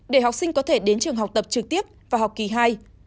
để học sinh có thể đến trường học tập trực tiếp vào học kỳ hai